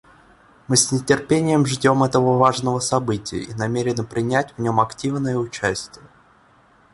Мы с нетерпением ждем этого важного события и намерены принять в нем активное участие.